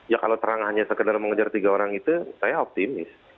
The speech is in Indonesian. ya kalau terang hanya sekedar mengejar tiga orang itu saya optimis